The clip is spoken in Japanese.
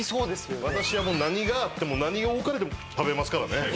私はもう何があっても何が置かれても食べますからね。